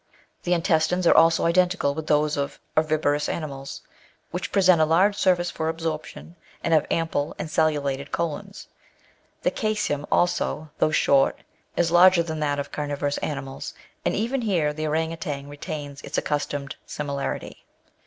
The intestines are also identical with those of herbivorous animals, which present a large surface for absorption, and have ample and cellulated colons. The caecum also, though short, is larger than that of carnivorous animals ; and even here the orang outang retains its accustomed similarity.